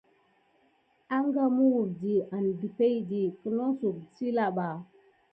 Anga mu wukdi an depeydi kunosouk silà ba.